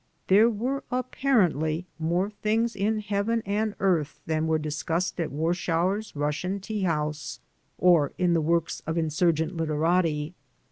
There were apparently more things in heaven and earth than were discussed at Warschauer's Russian tea house or in the works of insurgent literati.